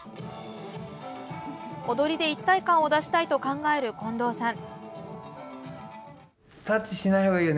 踊りで一体感を出したいと考える近藤さん。